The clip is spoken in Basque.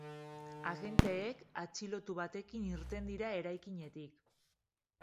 Agenteek atxilotu batekin irten dira eraikinetik.